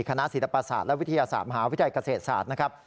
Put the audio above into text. คณะสีธรรปศาสตร์และวิทยาศาสตร์มหาวิทยาลัยเกษตรศาสตร์